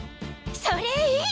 それいい！